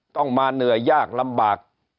ต้องมาเหนื่อยยากลำบาก